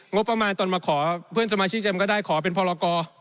งบประมาณตอนมาขอเพื่อนสมาชิกเจมส์ก็ได้ขอเป็นพรกร